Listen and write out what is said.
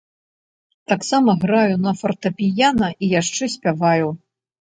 Таксама граю на фартэпіяна і яшчэ спяваю.